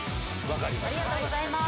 ・ありがとうございます。